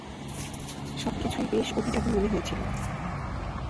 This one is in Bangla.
সবকিছুই বেশ অভিজাত মনে হয়েছিল।